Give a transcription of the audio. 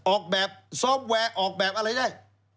ออกแบบซอฟต์แวร์ออกแบบอะไรได้